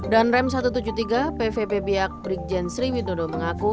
dan rem satu ratus tujuh puluh tiga pvp biak brigjen sri widodo mengaku